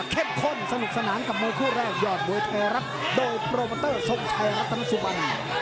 เข้มข้นสนุกสนานกับมือคู่แรกยอดโดยแทยรักโดยโปรมอตเตอร์ส่งแทยรักตนสุบัน